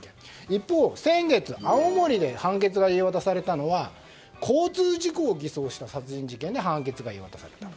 一方、先月青森で判決が言い渡されたのは交通事故を偽装した殺人事件で判決が言い渡された。